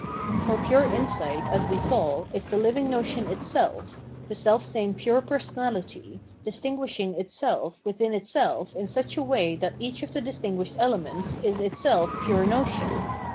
For 588 Phenomenology of Mind pure insight, as we saw, is the living notion itself, the self same pure personality, distinguishing itself mthin itself in such a way that each of the distinguished elements is itself pure notion, i.